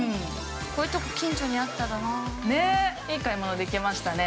こういうとこ近所にあったらな◆ね！